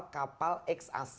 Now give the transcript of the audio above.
dari bapak bapak